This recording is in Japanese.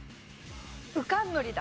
うかんむりだ。